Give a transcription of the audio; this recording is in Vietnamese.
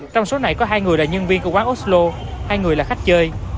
trong số này có hai người là nhân viên của quán oslo hai người là khách chơi